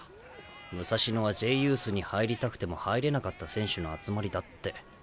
武蔵野はＪユースに入りたくても入れなかった選手の集まりだって。